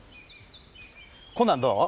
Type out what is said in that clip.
こんなんどう？